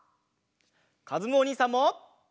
かずむおにいさんも！